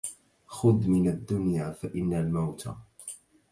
خذ من الدنيا فإن الموت